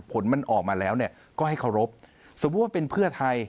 ผลมันออกมาแล้วเนี่ยก็ให้เคารพสมมุติว่าเป็นเพื่อไทย